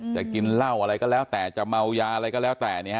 จะกินเหล้าอะไรก็แล้วแต่จะเมายาอะไรก็แล้วแต่